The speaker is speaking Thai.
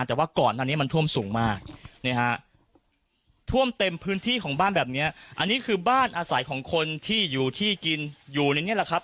แต่ว่าก่อนอันนี้มันท่วมสูงมากท่วมเต็มพื้นที่ของบ้านแบบนี้อันนี้คือบ้านอาศัยของคนที่อยู่ที่กินอยู่ในนี้แหละครับ